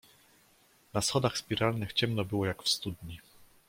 "Na schodach spiralnych ciemno było jak w studni."